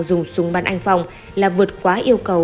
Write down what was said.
dùng súng bắn anh phong là vượt quá yêu cầu